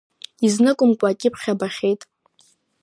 Изныкымкәа акьыԥхь абахьеит…